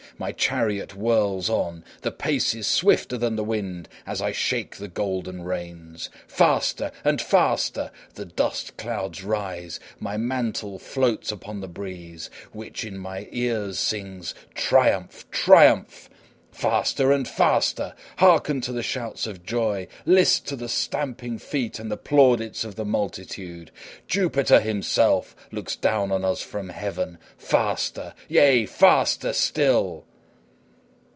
My chariot whirls on; the pace is swifter than the wind as I shake the golden reins! Faster and faster! The dust clouds rise; my mantle floats upon the breeze, which in my ears sings "Triumph! triumph!" Faster and faster! Hearken to the shouts of joy, list to the stamping feet and the plaudits of the multitude. Jupiter himself looks down on us from heaven. Faster! yea, faster still!